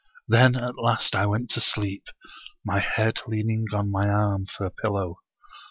Then at last I went to sleep, my head leaning on my arm for a pillow.